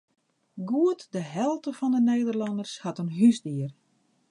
Goed de helte fan de Nederlanners hat in húsdier.